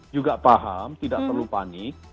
juga paham tidak perlu panik